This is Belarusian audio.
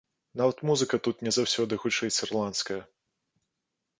Нават музыка тут не заўсёды гучыць ірландская.